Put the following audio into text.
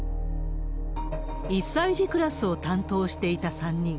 １歳児クラスを担当していた３人。